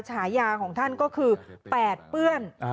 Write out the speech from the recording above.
ฉายาของท่านก็คือ๘เกือบ